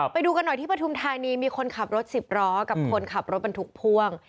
ไปดูกันหน่อยที่ปฐุมธานีมีคนขับรถสิบล้อกับคนขับรถบรรทุกพ่วง